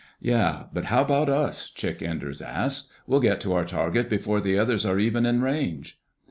"Yeah, but how about us?" Chick Enders asked. "We'll get to our target before the others are even in range."